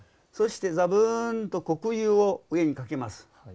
そしてざぶんと黒釉を上にかけます。